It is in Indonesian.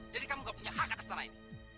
jadi kamu gak punya hak atas tanah ini